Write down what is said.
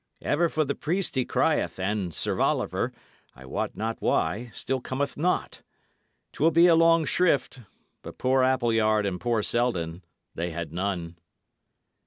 Ever for the priest he crieth, and Sir Oliver, I wot not why, still cometh not. 'Twill be a long shrift; but poor Appleyard and poor Selden, they had none."